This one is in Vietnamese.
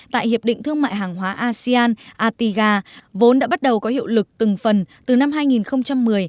tại hiệp định thương mại hàng hóa asean atiga vốn đã bắt đầu có hiệu lực từng phần từ năm hai nghìn một mươi